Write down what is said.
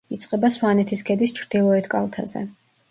იწყება სვანეთის ქედის ჩრდილოეთ კალთაზე.